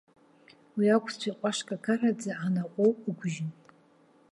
Уи ақәцәа иҟәашкакараӡа анаҟәоу ықәжьын.